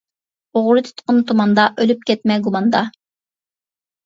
ئوغرى تۇتقىن تۇماندا، ئۆلۈپ كەتمە گۇماندا.